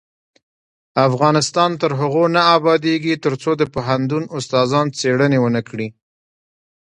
افغانستان تر هغو نه ابادیږي، ترڅو د پوهنتون استادان څیړنې ونکړي.